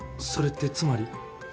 それってつまり？